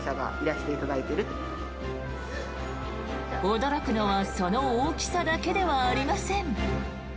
驚くのはその大きさだけではありません。